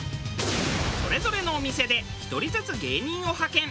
それぞれのお店で１人ずつ芸人を派遣。